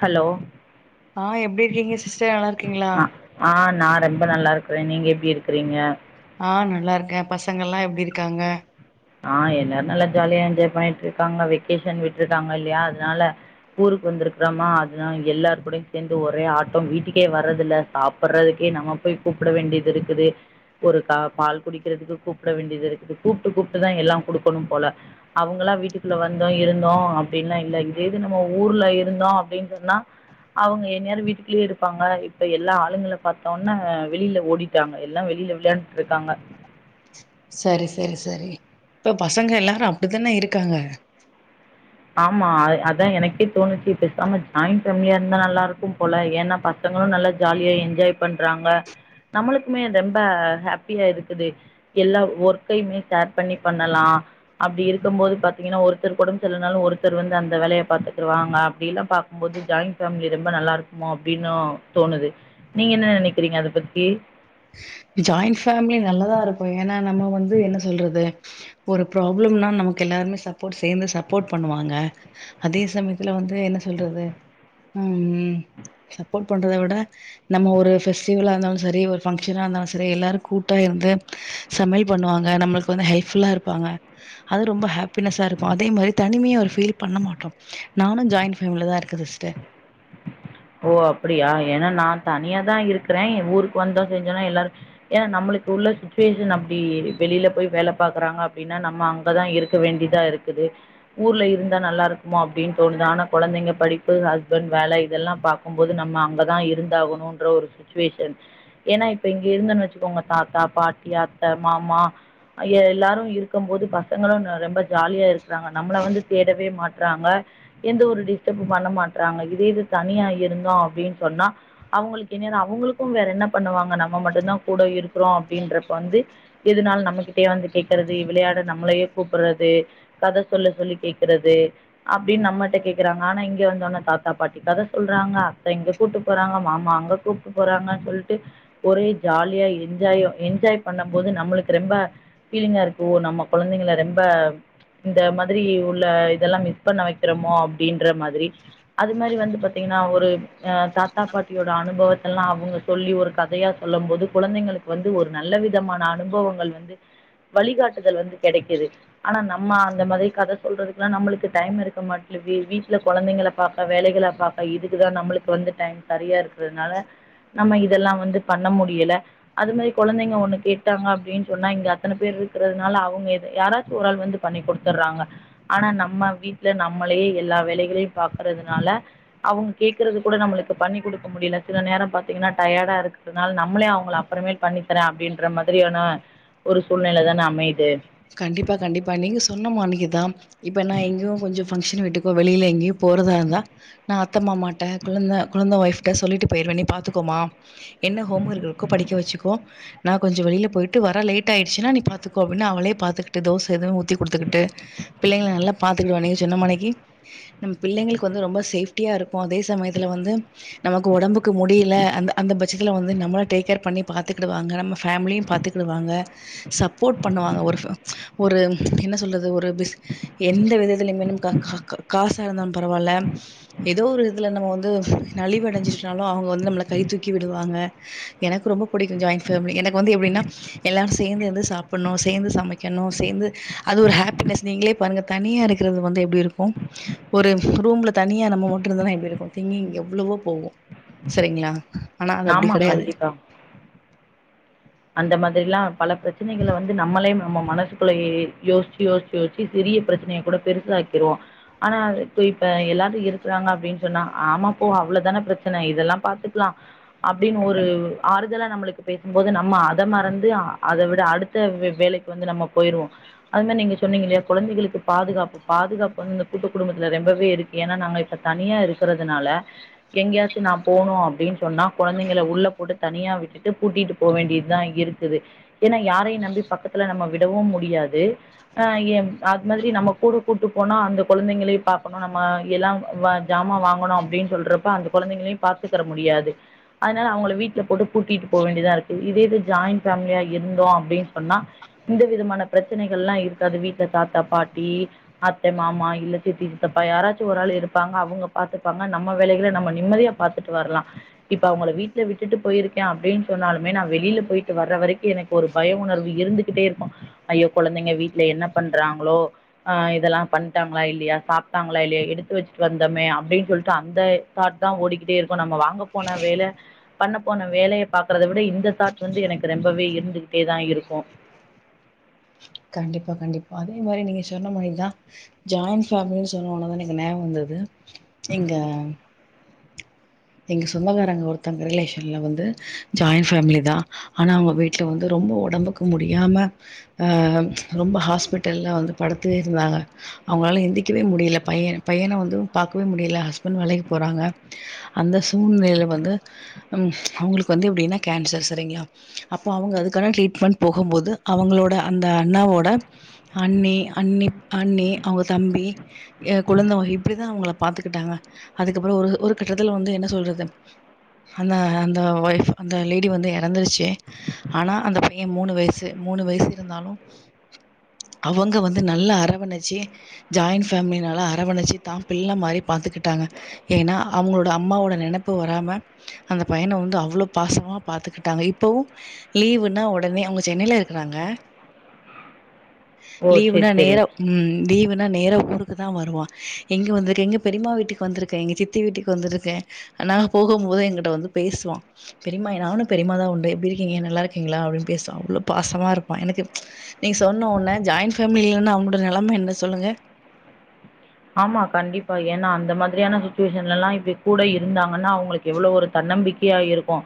Hello ஆஹ் எப்டி இருக்கீங்க சிஸ்டர் நல்லா இருக்கீங்களா நா ரொம்ப நல்லா இருக்கிறே நீங்க எப்டி இருக்கிறீங்க ஆஹ் நல்லா இருக்கே பசங்கல்லா எப்டி இருக்காங்க ஆஹ் எல்லாரு நல்லா ஜாலியா என்ஜாய் பண்ணிட்டு இருக்காங்க வெக்கேஷன் விட்டுருக்காங்க இல்லையா அதனால ஊருக்கு வந்திருக்கிறோமா அதுதா எல்லார் கூடயு சேர்ந்து ஒரே ஆட்டம் வீட்டுக்கே வர்றதில்லே சாப்பிறதுக்கே நம்ம போய் கூப்புட வேண்டியது இருக்குது ஒரு க பால் குடிக்கிறதுக்கு கூப்புட வேண்டியது இருக்கு கூப்ட்டு கூப்ட்டு ட்டுதா எல்லா கொடுக்கணும் போல அவங்களா வீட்டுக்குள்ள வந்தோ இருந்தோ அப்டின்ல்லா இல்லே இங்க இது நம்ம ஊர்ல இருந்தோ அப்டின் சொன்னா அவுங்க என்நேர வீட்டுக்குல்லயே இருப்பாங்க இப்ப எல்லா ஆளுங்கள பாத்தோனே வெளியில ஓடிட்டாங்க எல்லா வெளியில விளையாண்டுட்டு இருக்காங்க சரி சரி சரி இப்ப பசங்க எல்லாரு அப்புடித்தானே இருக்காங்க ஆமா அ அதான் எனக்கே தோணுச்சு பேசாம ஜாயிண்ட் ஃபேமிலியா இருந்தா நல்லா இருக்கு போல ஏன்னா பசங்களு நல்லா ஜாலியா என்ஜாய் பண்றாங்க நம்மளுக்குமே ரொம்ப ஹோப்பியா இருக்குது எல்லா ஒர்க்கயுமே ஷேர் பண்ணி பண்ணலா அப்புடி இருக்கு போது பாத்தீங்கனா ஒருத்தர்கு உடம் சரியில்னாலு ஒருத்தர் வந்து அந்த வேலேய பார்த்துக்குவாங்க அப்புடிலா பாக்குபோது ஜாயிண்ட் ஃபேமிலி ரொம்ப நல்லா இருக்குமோ அப்டின்னு தோணுது நீங்க என்ன நினைக்கிறீங்க அத பத்தி ஜாயின்ஃபேமிலி நல்லதா இருக்கு ஏனா நம்ம வந்து என்ன சொல்றது ஒரு ப்ராப்ளம்னா நமக்கு எல்லாருமே சப்போர்ட் சேர்ந்து சப்போர்ட் பண்ணுவாங்க அதே சமயத்துல வந்து என்ன சொல்றது ஹும் சப்போர்ட் பண்றத விட நம்ம ஒரு ஃபெஸ்டிவலா இருந்தாலு சரி ஒரு ஃபங் ர்ரா இருந்தாலு சரி எல்லாரு கூட்டா இருந்து சமையல் பண்ணுவாங்க நம்மளுக்கு வந்து ஹெல்புல்லா இருப்பாங்க அது ரொம்ப ஹோப்பினஸ்ஸா இருக்கு அதே மாரி தனிமையா ஒரு பீல் பண்ண மாட்டோ நானு ஜாய்ன் ஃபேமிலிலத இருக்க சிஸ்டர் ஓ அப்புடியா ஏனா நா தனியா தா இருக்கிறே ஊருக்கு வந்தா செஞ்சோன்னா எல்லாரு ஏனா நம்மளுக்கு உள்ள சுச்சுவேஷன் அப்டி வெளியில போய் வேலே பாக்குறாங்க அப்புடின்னா நம்ம அங்கதா இருக்க வேண்டிதா இருக்குது ஊர்ல இருந்தா நல்லா இருக்குமோ அப்டின்னு தோணுது ஆனா குழந்தைங்க படிப்பு ஹஸ்பண்ட் வேலே இதெல்லா பாக்கும்போது நம்ம அங்கத இருந்தாகணுன்ற ஒரு சுச்சுவேஷன் ஏன்னா இப்ப இங்க இருந்தன் வச்சுக்கோங்க தாத்தா பாட்டி அத்தே மாமா எல்லாரு இருக்கு போது பசங்களு ரொம்ப ஜாலியா இரு றாங்க நம்மள வந்து தேடவே மாட் றாங்க எந்த ஒரு டிஸ்டப்பு பண்ண மாட்டறாங்க இதே இது தனியா இருந்தோ அப்டின்னு சொன்னா அவுங்களுக்கு என்ன அவுங்களுக்கும் வேற என்ன பண்ணுவாங்க நம்ம மட்டுதா கூட இரு றோ அப்புடின்றப்ப வந்து எதுனாலு நம்மகிட்டயே வந்து கேக்றது விளையாட நம்மளையே கூப்புறது கதை சொல்ல சொல்லி கேட்குறது அப்டின்னு நம்மட்ட கேக்றாங்க ஆனா இங்க வந்த உன தாத்தா பாட்டி கதை சொல்ல றாங்க அத்த இங்கேகூட்டு போறாங்க மாமா அங்க கூப்ட்டு போறாங்கன்னு சொல்ட்டு ஒரே ஜாலியாய் என்ஜாயோ என்ஜாய்பண்ண போது நம்மலுக்கு ரொம்ப பீலிங்கா இருக்கு நம்ம கொழந்தைங்கள ரொம்ப இந்த மாதிரி உள்ள இதெல்லா மிஸ் பண்ண வைக்கிறோமோ அப்டின்ற மாதிரி அது மாரி வந்து ப்பாத்தீங்கனா ஒரு ஹே தாத்தா பாட்டியோட அனுபவத்தெல்லா அவங்க சொல்லி ஒரு கதையா சொல்லும் போது குழந்தைங்களுக்கு வந்து ஒரு நல்ல விதமான அனுபவங்கள் வந்து வழிகாட்டுதல் வந்து கிடைக்குது ஆனா நம்ம அந்த மாரி கதை சொல்றதுக்கெல்ல நம்மளுக்கு டைம் இருக்க மாட்டது வீ வீட்டுல கொழந்தைங்கள பாக்க வேலைகளே பாக்க இதுக்குத நம்மளுக்கு வந்து டைம் சரியா இருக்குறதுனால நம்ம இதெல்ல வந்து பண்ண முடியல அது மாரி குழந்தைங்க ஒண்ணு கேட்டாங்க அப்புடின்னு சொன்னா இங்க அத்தன பேர் இருக்கிறதுனால அவங்க எது யாராச்சு ஒரு ஆள் வந்து பண்ணி கொடுத்துடுறாங்க ஆனா நம்ம வீட்டுல நம்மளையே எல்லா வேலைகளையும் பாக்குறதுனால அவங்க கேட்கறது கூட நம்மளுக்கு பண்ணி் கொடுக்க முடியல சில நேரம் பார்த்தீங்கனா டயடா இருக்கிறதுனால நம்மளே அவங்கள அப்றமேல் பண்ணித்தரேன் அப்டின்ற மாதிரியான ஒரு சூழ்நிலை தானே அமையுது கண்டிப்பா கண்டிப்பா நீங்க சொன்ன மானிகுத இப்ப என்ன இங்கேயு கொஞ்ச ஃபங்க்ஷன் வைக்ககோ வெளியில எங்கேயு போறதா இருந்தா நா அத்த மாமா ட்டே கொழுந்த கொழுந்த ஒய்ப் ட சொல்லிட்டு போயிருவே நீ பாத்துக்கோமா என்ன ஹோம் ஒர்க் இருக்கோ படிக்க வச்சுக்கோ நா கொஞ்ச வெளியிலே போயிட்டு வர லேட்ஆயிடுச்சுன நீ பாத்துகோ அப்டினு அவளே பாத்துகிட்டு தோசை எதுவு ஊத்தி குடுத்துகிட்டு பிள்ளைகளே நல்லா பாத்துகிருவா நீங்க சொன்ன மானிக்கு நம் பிள்ளைகளுக்கு வந்து ரெம்ப சேஃப்டியா இருக்கு அதே சமயத்துல வந்து நமக்கு உடம்புக்கு கு முடியல அந்த அந்த பட்ச சுதுல வந்து நம்மள டேக்கேர் பண்ணி பாத்துகிடுவாங்க நம்ம ஃபேமிலியு பாத்துக்கிடுவாங்க சப்போர்ட் பண்ணுவாங்க ஒரு ஒரு என்ன சொல்றது ஒரு பிஸ் எந்த விதத்துலயுமே ந கா காசா இருந்தாலு பரவால்ல ஏதோ ஒரு இதுல நம்ம வந்து நழிவு அடைஞ்ச்சுனாலு அவுங்க வந்து நம்மள கை தூக்கி விடுவாங்க எனக்கு ரொம்ப புடிக்கும் ஜாயின் ஃபேமிலி எனக்கு வந்து எப்டின்னா எல்லாரு சேந்து இருந்து சாப்டணு சேந்து சமைக்க கணு சேந்து அது ஒரு ஹாப்பினஸ் நீங்களே பாருங்க தனியா இருக்கறது வந்து எப்டி இருக்கு ஒரு ரூம்ல தனியா நம்ம மட்டு இருந்தனா எப்டி இருக்கு திங்கிங்க் எவ்ளோவோ போகு சரிங்களா ஆனா அது அப்டி ஆமா, கடையாது கண்டிப்பா. அந்த மாதிரிலாம் பல பிரச்சனகள வந்து நம்மளே நம்ம மனசுக்குள்ள யோசிச்சு யோசிச்சு யோசிச்சு சிறிய பிரச்சனயை கூட பெருசாக்கிருவோ ஆனா அது இப்ப எல்லாரு இருக்கிறாங்க அப்டின்னு சொன்னா ஆமாப்போ அவ்ளோதானே பிரச்சன இதெல்லா பாத்துக்கலா அப்டின்னு ஒரு ஆறுதல நம்மளுக்கு பேசும்போது நம்ம ஆமா அதை மறந்து அதை விட அடுத்த வேலைக்கு வந்து நம்ம போயிருவோம் அது மாரி நீங்க சொன்னீங்கல்லையா கொழந்தைகளுக்கு பாதுகாப்பு பாதுகாப்பு வந்து இந்த கூட்டு குடும்பத்துல ரொம்பவே இருக்கு ஏன்னா நாங்க இப்ப தனியா இருக்கிறதுனால எங்கேயாச்சு நா போனும் அப்டின்னு சொன்னா கொழந்தைகள உள்ள போட்டு தனியா விட்டுட்டு கூட்டிட்டு போ வேண்டிதா இருக்குது ஏனா யாரையு நம்பி பக்கத்துல நம்ம விடவு முடியாது அ அது மாதிரி நம்ம கூட கூட்டு போனா அந்த கொழந்தைங்களையு பாகக்கணு நம்ம எல்லா ஜாமா வாங்கணு அப்டின்னு சொல்றப்ப அந்த கொழந்தைங்களையு பாத்துக்கர முடியாது அதனால அவங்கள வீட்டுல போட்டு பூட்டிட்டு போக வேண்டியதா இருக்கு இதே இது ஜாயின் ஃபேமிலியா இருந்தோ அப்டின்னு சொன்னா இந்த விதமான பிரச்சனைகல்லா இருக்காது வீட்ல தாத்தா பாட்டி அத்தை மாமா இல்ல சித்தி சித்தப்பா யாராச்சு ஒரு ஆள் இருப்பாங்க அவுங்க பாத்துப்பாங்க நம்ம வேலைகள நம்ம நிம்மதியா பாத்துட்டு வரலா இப்ப அவுங்கள வீட்ல விட்டுட்டு போயிருக்க அப்டின்னு சொன்னா மே நா வெளில போயிட்டு வர்ற வரைக்கு எனக்கு ஒரு பய உணர்வு இருந்துகிட்டே இருக்கு ஐயோ கொழந்தைங்க வீட்ல என்ன பண்றாங்களோ இதெல்லா பண்ட்டாங்களா இல்லையா சாப்ட்டாங்களா இல்லாயா எடுத்து வச்ட்டு வந்தோமே அப்டின்னு சொல்லிட்டு அந்த தாட் தான் ஓடிக்கிட்டே இருக்கு நம்ம வாங்க போன வேல பண்ண போன வேலையை பாக்குறதவிட தெ இந்த தாட் வந்து எனக்கு ரொம்பவே இருந்துகிட்டே தா இருக்கு கண்டிப்பா கண்டிப்பா அதே மாரி நீங்க சொன்ன மாரிதான் ஜாயிண்ட் ஃபேமிலின்னு சொன்ன உனதா எனக்கு நெம் வந்தது இங்க எங்க சொந்தக்காரங்க ஒருத்தங்க ரிலேஷன்ல வந்து ஜாயின் ஃபேமிலி தான் ஆனா அவங்க வீட்ல வந்து ரொம்ப உடம்புக்கு முடியாம ஆ ரொம்ப ஹாஸ்பிட்டல்ல வந்து படுத்து இருந்தாங்க அவங்களால எந்திக்கவே முடியல பையன் பையன வந்து பாகக்கவே முடில ஹஸ்பண்ட் வேலைக்கு போறாங்க அந்த சூழ்நிலில வந்து அவங்களுக்கு வந்து எப்டின்னா கேன்சர் சரிங்களா அப்போ அவுங்க அதுக்கான ட்ரீட்மெண்ட் போகும்போது அவங்களோட அந்த அண்ணாவோட அண்ணி அண்ணி அண்ணி அவுங்க தம்பி கொழந்தவங்க இப்படிதா அவங்கள பாத்துக்கிட்டாங்க அதுக்கப்பறோ ஒரு ஒரு கட்டத்தில வந்து என்ன சொல்றது அந்த அந்த ஒய்ஃப் அந்த லேடி வந்து இறந்தருச்சு ஆனா அந்த பையன் மூணு வயசு மூணு வயசு இருந்தாலும் அவங்க வந்து நல்லா அரவணைச்சு ஜாய்ண்ட் ஃபேமிலினால அரவணைச்சு தா பிள்ள மாறி பாத்தக்கிட்டாங்க ஏனா அவுங்களோட அம்மாவோட நனப்பு வராம அந்த பையன வந்து அவ்ளோ பாசமா பாத்துக்கிட்டாங்க இப்பவு லீவுன்னா உடனே அவுங்க சென்னையில இருக்கறாங்க ஓ! லீவுனா சரி, சரி. நேர உம் லீவு நா நேர ஊருக்கு தா வருவோ இங்க வந்திருக்க எங்க பெரியமா வீட்டுக்கு வந்திருக்க எங்க சித் த்தி வீட்டுக்கு வந்துருக்கே ஆனா போகும் போது என்கிட்ட வந்து பேசுவா பெரியமா என் நானு பெரியமாதா உண்டு எப்டி இருக்கீங்க நல்லா இருக்கீங்களா அப்டின்னு பேசுவா அவ்ளோ பாசமா இருப்பா எனக்கு நீங்க சொன்ன ஒன்னே ஜாயிண்ட் பேமிலி இல்லன்னா அவுங்களோட நெலம என்ன சொல்லுங்க ஆமா கண்டிப்பா ஏன்னா அந்த மாதிரியான சுச்சுவேஷன்லல்லா இப்டி கூட இருந்தாங்கன்னா அவுங்களுக்கு எவ்ளோ ஒரு தன்னம்பிக்கையா இருக்கோ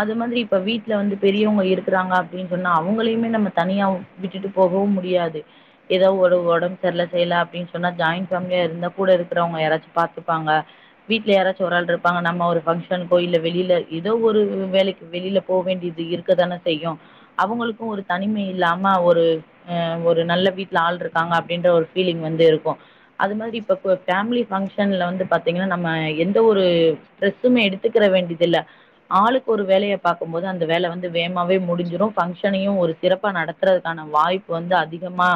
அது மாதிரி இப்ப வீட்ல வந்து பெரியவங்க இருக்குறாங்க அப்டின்னு சொன்னா அவுங்களயுமே நம்ம தனியா விட்டுட்டு போகவு முடியாது ஏதா ஒரு உடம்பு செரில செய்யல அப்டின்னு சொன்னா ஜாயின் பேமிலியா இருந்த கூட இருக்கறவங்க யாராச்சு பாத்துப்பாங்க வீட்ல யாராச்சு ஒரு ஆள் இருப்பாங்க நம்ம ஒரு பங்க்ஷன்கோ இல்ல வெளில ஏதோ ஒரு வேலைக்கு வெளில போ வேண்டியது இருக்குதான செய்யு அவுங்களுக்கு ஒரு தனிமை இல்லாம ஒரு ஆ ஒரு நல்ல வீட்ல ஆள் இருக்காங்க அப்டின்ற ஒரு பீலிங் வந்து இருக்கோ அது மாதிரி இப்ப இப்ப ஃபேமிலி பங்க்ஷன்ல வந்து பாத்தீங்கன்னா நம்ம எந்த ஒரு டிரெஸ்ஸுமே எடுத்துக்கிற வேண்டியதில்ல ஆளுக்கு ஒரு வேலைய பாக்கும் போது அந்த வேல வந்து வேமாவே முடிஞ்சிடு பங்க்ஷனையு ஒரு சிறப்பா நடத்துறதுக்கான வாய்ப்பு வந்து அதிகமா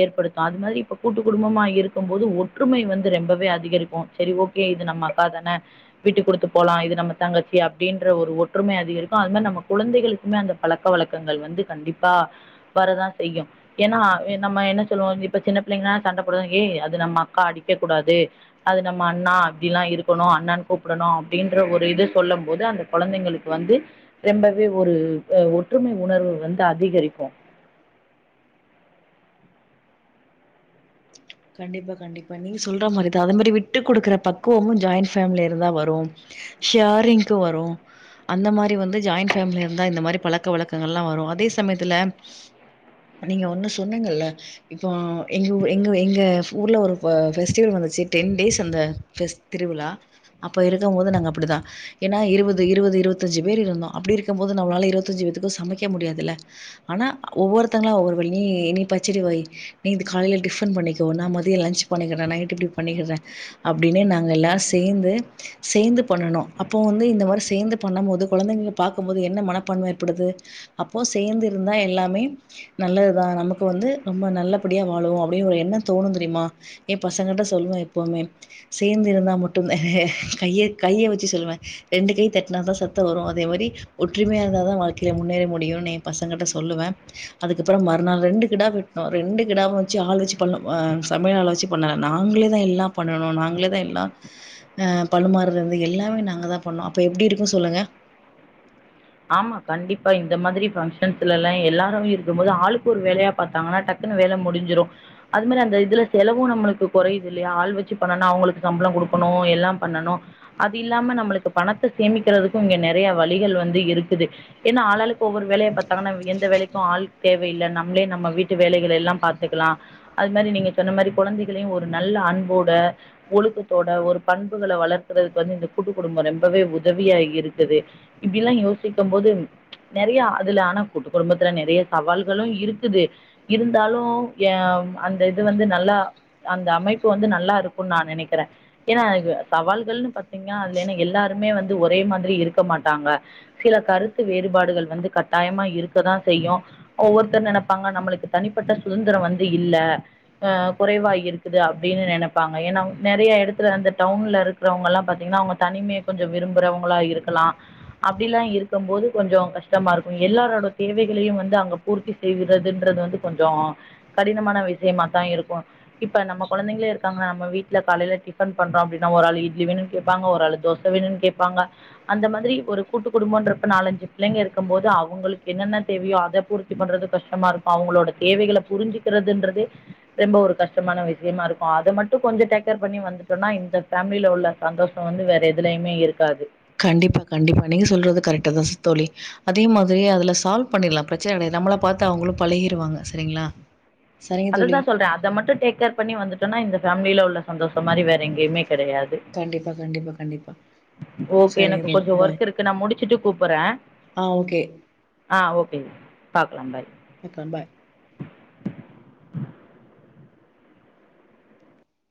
ஏற்படுத்து அது மாதிரி இப்ப கூட்டு குடும்பமா இருக்க போது ஒற்றுமை வந்து ரொம்பவே அதிகரிக்கு செரி ஓகே இது நம்ம அக்கா தானே விட்டு குடுத்து போலா இது நம்ம தங்கச்சி அப்டின்ற ஒரு ஒற்றுமை அதிகரிக்கு அது மாரி நம்ம குழந்தைகளுக்குமே அந்த பழக்க வழக்கங்கள் வந்து கண்டிப்பா வரதா செய்யு ஏன்னா நம்ம என்ன சொல்லுவோ இப்ப சின்ன பிள்ளைங்கன்னா சண்ட போடு ஏ அது நம்ம அக்கா அடிக்க கூடாது அது நம்ம அண்ணா அப்டிலா இருக்கணு அண்ணான்னு கூப்புடணு அப்படின்ற ஒரு இது சொல்ல போது அந்த கொழந்தைங்களுக்கு வந்து ரொம்பவே ஒரு அ ஒற்றுமை உணர்வு வந்து அதிகரிக்கோ கண்டிப்பா கண்டிப்பா நீங்க சொல்ற மாரி தா அதே மாரி விட்டு குடுக்கற பக்குவமு ஜாயிண்ட்பேமிலில இருந்து தா வரும் ஹேரிங் வரோ அந்த மாரி வந்து ஜாயண்ட் பேமிலி இருந்தா இந்த மாரி பழக்க வழக்கங்கெல்லா வரோ அதே சமயத்துல நீங்க ஒண்ணு சொன்னிங்கல இப்போ எங் எங்க எங்க ஊர்ல ஒரு ஃபெஸ்டிவல் வந்துச்சு டென் டேஸ் அந்த ஃபெ திருவிழா அப்ப இருக்கபோது நாங்க அப்படிதா ஏன்ன இருபது இருபது இருபத்தஞ்சு பேர் இருந்தோ அப்டி இருக்குபோது நம்மளால இருபத்தஞ்சு பேத்துக்கும் சமைக்க முடியாதுலா ஆனா ஒவ்வொருத்தங்கள ஒவ்வொரு நீ நீ பச்சடி வை நீ காலைல டிஃபன் பண்ணி தோ நா மதியோ லன்ச் பண்ணிக்கற நைட் இப்டி பண்ணிக்கிற அப்டின்னே நாங்க எல்லாரு சேந்து சேந்து பண்ணுனோ அப்போ வந்து இந்த மாரி சேந்து பண்ணபோது கொழந்தைங்க பாக்கும்போது என்ன மனப்பான்ம ஏற்படுது அப்போ சேந்து இருந்தா எல்லாமே நல்லதுதா நமக்கு வந்து ரொம்ப நல்லபடியா வாழுவோ அப்டின்னு ஒரு எண்ண தோணு தெரிமா எ பசங்ககிட்ட சொல்லுவே எப்போமே சேந்து இருந்தா மட்டு தா கைய கையை வெச்சு சொல்லுவே ரெண்டு கை தட்ன தா சத்த வரோ அதே மாரி ஒற்றுமையா இருந்தா தா வாழ்க்கைல முன்னேற முடியுனு எ பசங்ககிட்ட சொல்லுவே அதுக்கப்பறோ மறுநாள் ரெண்டு கிடா வெட்னோ ரெண்டு கிடாவு வெச்சு ஆள் வெச்சு பண்ணோ ஆ சமையலாள வெச்சு பண்ணல நாங்களே தா எல்லா பண்ணனோ நாங்களேதா எல்லா அஹ் பரிமாறது எல்லாமே நாங்க தா பண்ணோ அப்போ எப்டி இருக்கு சொல்லுங்க ஆமா கண்டிப்பா இந்த மாதிரி பங்க்ஷன்ஸ்லல்லா எல்லாரு இருக்குபோது ஆளுக்கு ஒரு வேலையா பாத்தாங்கன்னா டக்குன்னு வேல முடிஞ்சிறு அது மாரி அந்த இதுல செலவு நம்மளுக்கு குறையிதில்லையா ஆள் வெச்சு பண்ணோனா அவுங்களுக்கு சம்பளோ குடுக்கணு எல்லா பண்ணணு அது இல்லாம நம்மளுக்கு பணத்த சேமிக்கிறதுக்கு இங்க நெறைய வழிகள் வந்து இருக்குது ஏன்னா ஆளளுக்கு ஒவ்வொரு வேலைய பாத்தாங்கன்னா எந்த வேலைக்கு ஆள் தேவயில்ல நம்ளே நம்ம வீட்டு வேலைகள எல்லா பாத்துக்கலா அது மாரி நீங்க சொன்ன மாரி கொழந்தைகளையு ஒரு நல்ல அன்போட ஒழுக்கத்தோட ஒரு பண்புகள வளர்க்கறதுக்கு வந்து இந்த கூட்டு குடும்போ ரொம்பவே உதவியா இருக்குது விலா யோசிக்குபோது நறைய அதுல ஆனா கூட்டு குடும்பத்துல நறைய சவால்களு இருக்குது இருந்தாலு எ அந்த இது வந்து நல்லா அந்த அமைப்பு வந்து நல்லா இருக்குனு நா நெனைக்கிறே ஏன்னா சவால்கள்ன்னு பாத்தீங்கன்னா அதுலென்னா எல்லாருமே வந்து ஒரே மாதிரி இருக்க மாட்டாங்க சில கருத்து வேறுபாடுகள் வந்து கட்டாயமா இருக்கதா செய்யும் ஒவ்வொருத்தர் நனப்பாங்க நம்மளுக்கு தனிப்பட்ட சுதந்திரோ வந்து இல்ல அஹ் குறைவா இருக்குது அப்டின்னு நொனப்பாங்க ஏன்னா நறைய எடத்துல அந்த டவுன்ல இருக்கிறவங்க எல்லா பாத்தீங்கன்னா அவுங்க தனிமைய கொஞ்சோ விரும்பறவங்களா இருக்கலா அப்டிலா இருக்குபோது கொஞ்சோ கஷ்டமா இருக்கோ எல்லாரோட தேவைகளையு வந்து அவுங்க பூர்த்தி செய்வுறதுன்றது வந்து கொஞ்சோ கடினமான விஷயமா தா இருக்கூ இப்ப நம்ம கொழந்தைங்களே இருக்காங்க நம்ம வீட்ல காலைல டிஃபன் பண்றோ அப்டின்னா ஒரு ஆளு இட்லி வேணுன்னு கேப்பாங்க ஒரு ஆள் தோச வேணுன்னு கேப்பாங்க அந்த மாதிரி ஒரு கூட்டு குடும்பன்றப்ப நாலஞ்சு பிள்ளைங்க இருக்குபோது அவுங்களுக்கு என்னென்ன தேவையோ அதை பூர்த்தி பண்றது கஷ்டமா இருக்கோ அவுங்களோட தேவைகள புரிஞ்சுக்கறதுன்றது ரொம்ப ஒரு கஷ்டமான விஷயமா இருக்கு அத மட்டு கொஞ்சோ டேக்கேர் பண்ணி வந்துட்டோன்னா இந்த ஃபேமிலியில உள்ள சந்தோஷோ வந்து வேற எதுலயுமே இருக்காது கண்டிப்பா கண்டிப்பா நீங்க சொல்றது கரெக்டு தா ஸ்த் தோழி அதே மாதிரி அதுல சால்வ் பண்ணிடலா பிரச்சன கடையாது நம்மள பாத்து அவுங்களு பழகிருவாங்க சரிங்களா சரிங்க அதுதா தோழி. சொல்ற அத மட்டு டேக்கேர் பண்ணி வந்துட்டோன்னா இந்த பேமிலில உள்ள சந்தோசமாறி வேற எங்கையுமே கண்டிப்பா கண்டிப்பா கண்டிப்பா ஓகே சரிங்க எனக்கு தோழி. கொஞ்சோ பாய். வெர்க் இருக்கு நா முடிச்சுட்டு கூப்புட்ற ஆ ஓகே. ஆ ஓகே பாக்கலா பாய் பாக்கலா பாய்